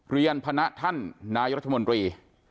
เพียรพรรณทนายรัฐบนมรี